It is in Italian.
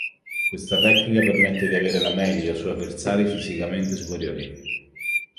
Questa tecnica permette di avere la meglio su avversari fisicamente superiori.